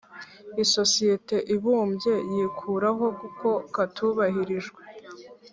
isosiyete ibumbye yikuraho kuko katubahirijwe